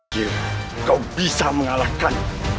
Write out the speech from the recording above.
kau bisa mengalahkan